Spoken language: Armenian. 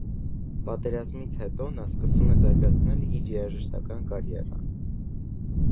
Պատերազմից հետո նա սկսում է զարգացնել իր երաժշտական կարիերան։